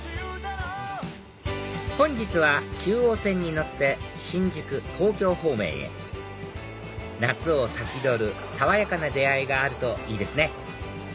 本日は中央線に乗って新宿東京方面へ夏を先取る爽やかな出会いがあるといいですね